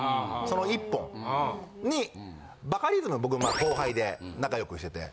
その１本。にバカリズムが僕後輩で仲良くしてて。